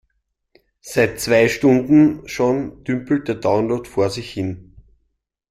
Seit zwei Stunden schon dümpelt der Download vor sich hin.